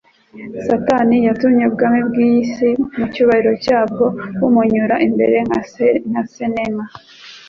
Satani yatumye ubwami by'iyi si, mu cyubahiro cyabwo, bumunyura imbere nka senema